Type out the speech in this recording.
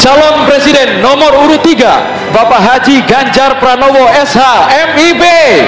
calon presiden nomor urutiga bapak haji ganjar pranowo sh mib